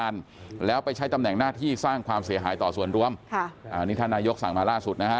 อันนี้ท่านนายกสั่งมาล่าสุดนะฮะ